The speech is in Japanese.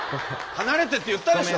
離れてって言ったでしょ。